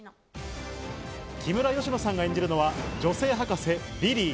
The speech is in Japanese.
木村佳乃さんが演じるのは女性博士・リリー。